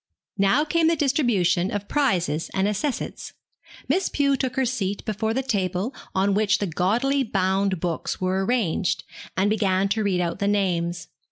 Now came the distribution of prizes and accessits. Miss Pew took her seat before the table on which the gaudily bound books were arranged, and began to read out the names.